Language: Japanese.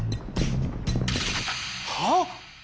はっ！？